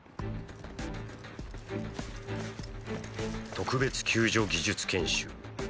特別救助技術研修